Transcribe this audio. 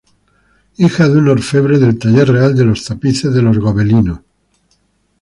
Hija de un orfebre del taller real de Tapices de Los Gobelinos.